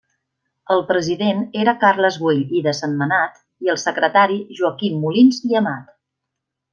El president era Carles Güell i de Sentmenat i el secretari Joaquim Molins i Amat.